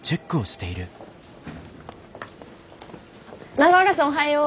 永浦さんおはよう。